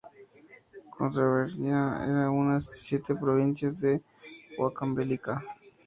Castrovirreyna es una de las siete provincias de Huancavelica.